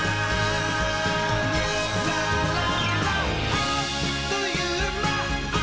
「あっというまっ！